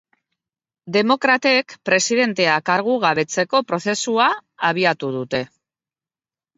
Demokratek presidentea kargugabetzeko prozesua abiatu dute.